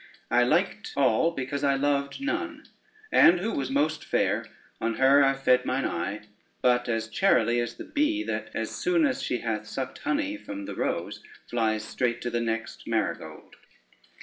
I liked all, because I loved none, and who was most fair, on her I fed mine eye, but as charily as the bee, that as soon as she hath sucked honey from the rose, flies straight to the next marigold.